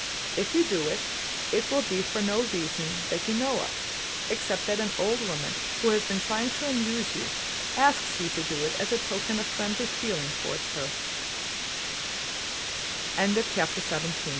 If you do it, it will be for no reason that you know of, except that an old woman who has been trying to amuse you asks you to do it as a token of friendly feeling towards